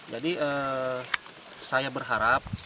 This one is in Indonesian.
jadi saya berharap